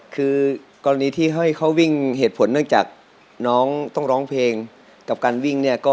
คือกรณีที่ให้เขาวิ่งเหตุผลเนื่องจากน้องต้องร้องเพลงกับการวิ่งเนี่ย